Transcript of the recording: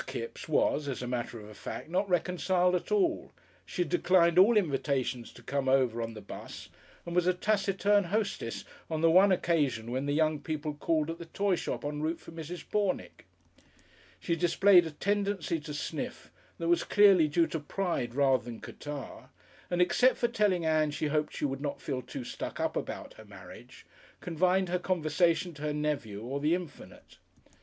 Kipps was, as a matter of fact, not reconciled at all, she had declined all invitations to come over on the 'bus, and was a taciturn hostess on the one occasion when the young people called at the toy shop en route for Mrs. Pornick. She displayed a tendency to sniff that was clearly due to pride rather than catarrh, and except for telling Ann she hoped she would not feel too "stuck up" about her marriage, confined her conversation to her nephew or the infinite.